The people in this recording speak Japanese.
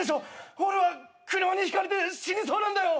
俺は車にひかれて死にそうなんだよ！